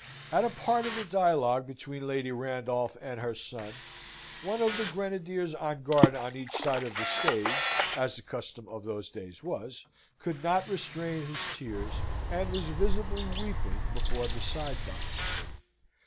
At a part of the dialogue between Lady Randolph and her son, one of the grenadiers on guard on each side of the stage, as the custom of those days was, could not restrain his tears, and was visibly weeping before the side box.